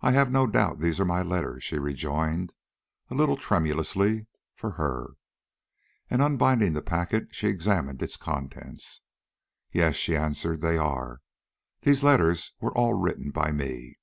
"I have no doubt these are my letters," she rejoined, a little tremulously for her. And unbinding the packet, she examined its contents. "Yes," she answered, "they are. These letters were all written by me."